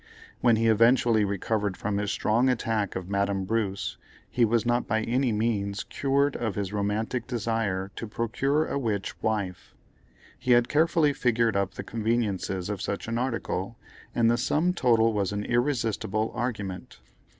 When he eventually recovered from his strong attack of Madame Bruce, he was not by any means cured of his romantic desire to procure a witch wife. He had carefully figured up the conveniences of such an article, and the sum total was an irresistible argument.